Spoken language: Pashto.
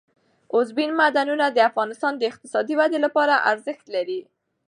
اوبزین معدنونه د افغانستان د اقتصادي ودې لپاره ارزښت لري.